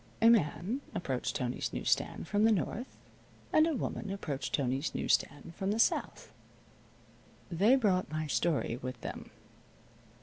A man approached Tony's news stand from the north, and a woman approached Tony's news stand from the south. They brought my story with them.